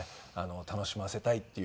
楽しませたいっていう。